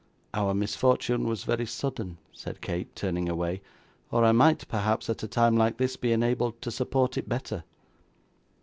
'Our misfortune was very sudden,' said Kate, turning away, 'or I might perhaps, at a time like this, be enabled to support it better.